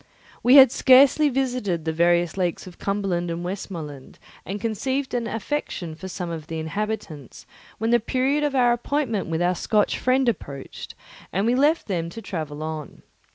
We had scarcely visited the various lakes of Cumberland and Westmorland and conceived an affection for some of the inhabitants when the period of our appointment with our Scotch friend approached, and we left them to travel on.